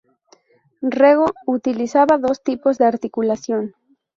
Rego utilizaba dos tipos de articulación.